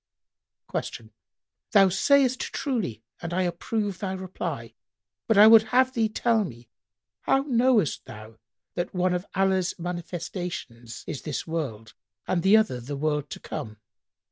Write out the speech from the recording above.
Q "Thou sayst truly and I approve thy reply; but I would have thee tell me, how knowest thou that one of Allah's manifestations is this world and the other the world to come?"